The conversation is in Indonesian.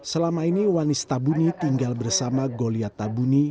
selama ini wanis tampun ini tinggal bersama goliath tampun ini